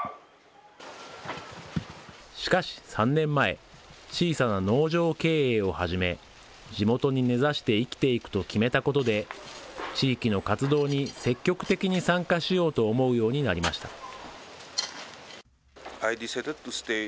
しかし、３年前、小さな農場経営を始め、地元に根ざして生きていくと決めたことで、地域の活動に積極的に参加しようと思うようになりました。